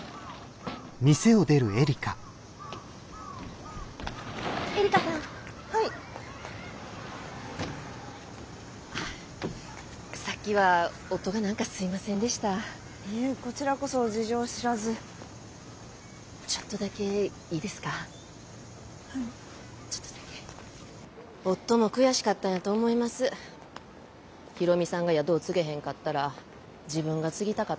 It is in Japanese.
大海さんが宿を継げへんかったら自分が継ぎたかったはずなんです。